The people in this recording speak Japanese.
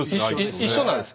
一緒なんです。